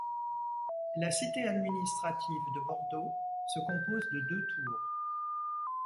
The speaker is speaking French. La cité administrative de Bordeaux se compose de deux tours.